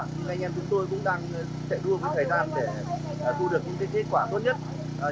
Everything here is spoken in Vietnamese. thì anh em chúng tôi cũng đang chạy đua với thời gian để thu được những kết quả tốt nhất